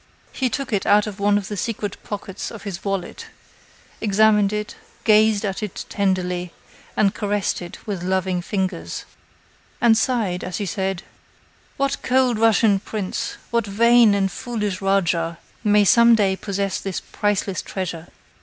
He took it out of one of the secret pockets of his wallet, examined it, gazed at it tenderly, and caressed it with loving fingers, and sighed, as he said: "What cold Russian prince, what vain and foolish rajah may some day possess this priceless treasure!